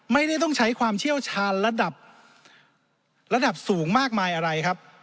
ไม่ได้ต้องใช้ความเชี่ยวชาญระดับระดับสูงมากมายอะไรครับ